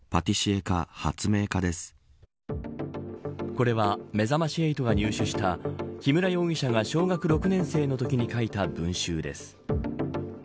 これはめざまし８が入手した木村容疑者が小学６年生のときに書いた文集です。